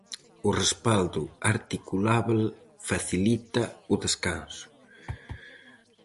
O respaldo articulábel facilita o descanso.